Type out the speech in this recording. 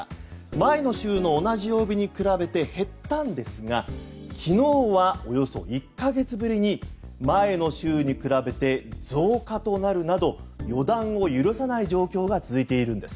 前の週の同じ曜日に比べて減ったんですが昨日はおよそ１か月ぶりに前の週に比べて増加となるなど予断を許さない状況が続いているんです。